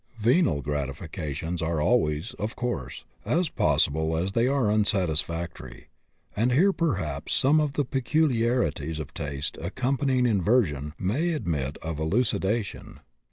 Venal gratifications are always, of course, as possible as they are unsatisfactory, and here perhaps some of the peculiarities of taste accompanying inversion may admit of elucidation.